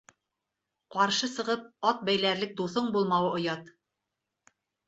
— Ҡаршы сығып, ат бәйләрлек дуҫың булмауы оят.